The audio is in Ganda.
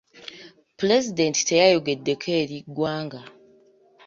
Pulezidenti teyayogeddeko eri ggwanga.